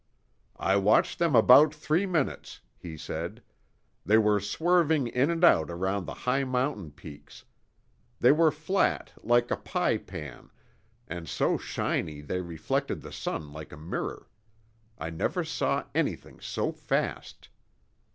"I watched them about three minutes," he said. "They were swerving in and out around the high mountain peaks. They were flat, like a pie pan, and so shiny they reflected the sun like a mirror. I never saw anything so fast."